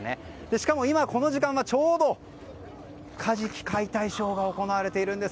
しかも、今この時間はちょうどカジキ解体ショーが行われているんです。